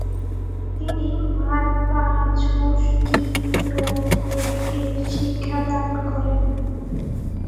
তিনি মার-পা-ছোস-ক্যি-ব্লো-গ্রোসকে শিক্ষাদান করেন।